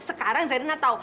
sekarang zarina tau